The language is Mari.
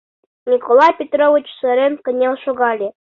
Николай Петрович сырен кынел шогале: